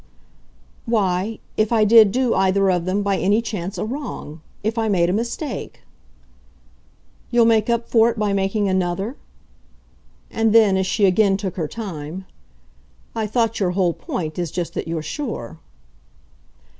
"Why, if I did do either of them, by any chance, a wrong. If I made a mistake." "You'll make up for it by making another?" And then as she again took her time: "I thought your whole point is just that you're sure."